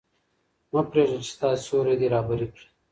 مه پرېږده چې ستا سیوری دې رهبري کړي.